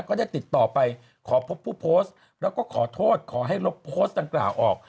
ก็ได้ติดต่อไปขอพบผู้โพสต์แล้วก็ขอโทษขอให้ลบโพสต์ดังกล่าวออก